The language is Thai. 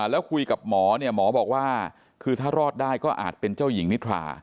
แล้วคุยกับหมอเนี่ยหมอบอกว่าคือถ้ารอดได้ก็อาจเป็นเจ้าหญิงนิทรา